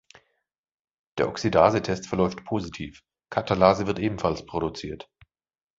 Der Oxidase-Test verläuft positiv, Katalase wird ebenfalls produziert.